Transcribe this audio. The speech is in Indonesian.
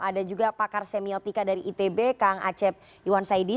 ada juga pakar semiotika dari itb kang acep iwan saidi